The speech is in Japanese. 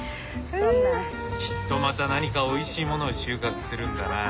きっとまた何かおいしいものを収穫するんだな。